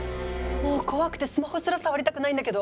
もう怖くてスマホすら触りたくないんだけど。